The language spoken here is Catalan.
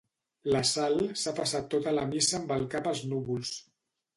La Sal s'ha passat tota la missa amb el cap als núvols.